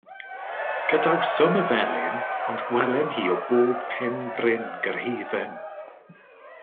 Gadawsom y felin, ond gwelem hi o bob pen bryn gyrhaeddem.